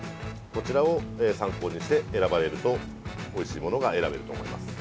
こちらを参考にして選ばれるとおいしいものが選べると思います。